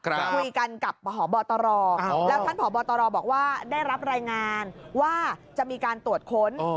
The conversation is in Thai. คุยกันกับพบตรแล้วท่านผอบตรบอกว่าได้รับรายงานว่าจะมีการตรวจค้น